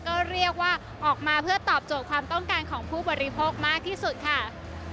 ก็เรียกว่าออกมาเพื่อตอบโจทย์ความต้องการของผู้บริโภคมากที่สุดค่ะ